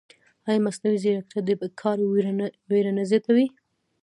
ایا مصنوعي ځیرکتیا د بېکارۍ وېره نه زیاتوي؟